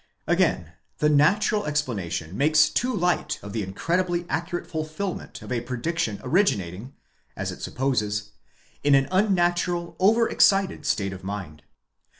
Again, the natural explanation makes too light of the incredibly accurate fulfilment of a prediction originating, as it supposes, in an unnatural, over excited state of mind.